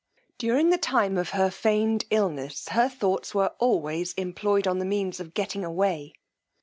During the time of her feigned illness, her thoughts were always employed on the means of getting away.